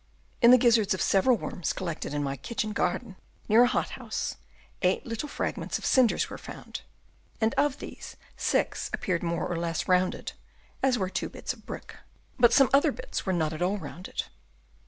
In the gizzards of several worms collected in my kitchen garden near a hothouse, eight little frag ments of cinders were found, and of these, six appeared more or less rounded, as were two bits of brick ; but some other bits were not at all rounded.